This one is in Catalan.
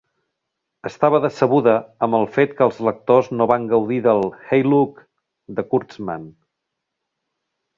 Estava decebuda amb el fet que els lectors no van gaudir del Hey Look! de Kurtzman.